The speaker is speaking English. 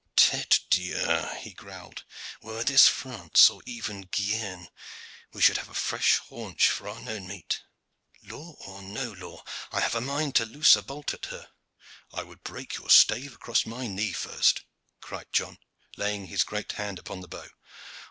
"Tete Dieu!" he growled, "were this France, or even Guienne, we should have a fresh haunch for our none meat. Law or no law, I have a mind to loose a bolt at her." "I would break your stave across my knee first," cried John, laying his great hand upon the bow.